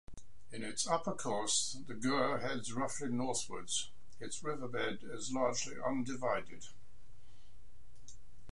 In its upper course the Gur heads roughly northwards its riverbed is largely undivided.